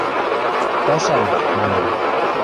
– Пӓшӓм, – манам.